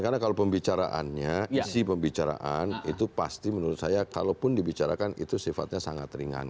karena kalau pembicaraannya isi pembicaraan itu pasti menurut saya kalaupun dibicarakan itu sifatnya sangat ringan